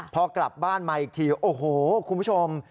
พอกลับบ้านมาอีกทีโอ้โหคุณผู้ชม